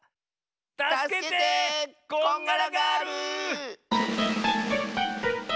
たすけてこんがらガール！